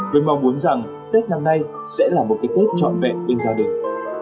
tôi mong muốn rằng tết lần này sẽ là một cái tết trọn vẹn bên gia đình